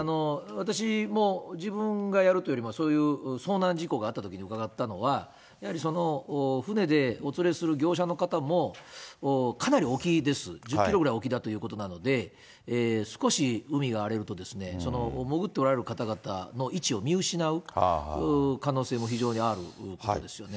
私も自分がやるというよりも、そういう遭難事故があったときに伺ったのは、やはり船でお連れする業者の方も、かなり沖です、１０キロぐらい沖だということなので、少し海が荒れると、その潜っておられる方々の位置を見失う可能性も非常にあるわけですよね。